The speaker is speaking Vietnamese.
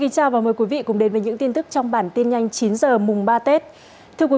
chào mừng quý vị đến với bản tin nhanh chín h mùng ba tết